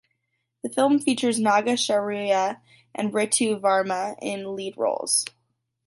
The film features Naga Shaurya and Ritu Varma in lead roles.